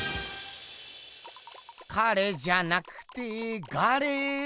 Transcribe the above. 彼じゃなくてガレ。